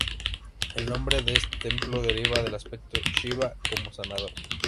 El nombre de este templo deriva del aspecto de Shivá como sanador.